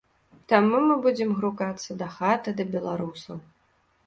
Таму мы будзем грукацца дахаты да беларусаў.